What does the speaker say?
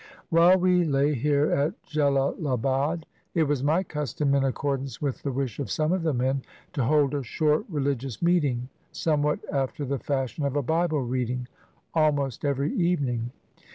While we lay here at Jellalabad it was my custom, in accordance with the wish of some of the men, to hold a short religious meeting — somewhat after the fashion of a Bible reading — almost every evening.